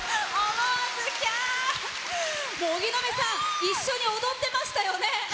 思わず荻野目さん一緒に踊ってましたよね。